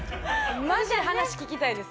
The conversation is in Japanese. マジ話聞きたいです。